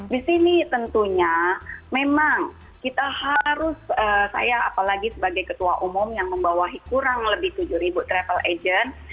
di sini tentunya memang kita harus saya apalagi sebagai ketua umum yang membawahi kurang lebih tujuh ribu travel agent